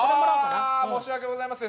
あ申し訳ございません。